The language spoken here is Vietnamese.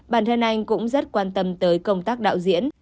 bản thân anh cũng rất quan tâm tới công tác đạo diễn